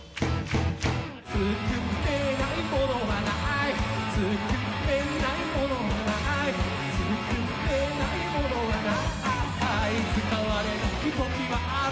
「作れないものはない作れないものはない」「作れないものはなーい使われないときはある」